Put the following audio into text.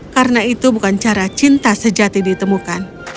karena itu bukan cara cinta sejati ditemukan